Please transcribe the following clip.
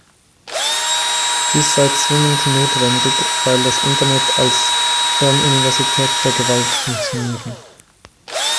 Dies sei zwingend notwendig, weil das Internet als „Fernuniversität der Gewalt“ funktioniere.